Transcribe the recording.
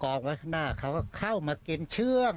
ไว้ข้างหน้าเขาก็เข้ามากินเชื่อง